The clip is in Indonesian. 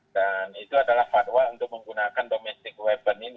dan itu adalah fatwa untuk menggunakan domesik weapon ini